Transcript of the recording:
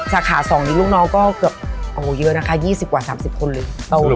สาขา๒นี้ลูกน้องก็เกือบโอ้โหเยอะนะคะ๒๐กว่า๓๐คนเลย